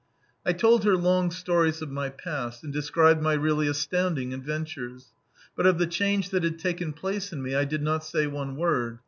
I told her long stories of my past, and described my really astounding adventures. But of the change that had taken place in me I did not say one word.